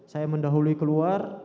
saya mendahului keluar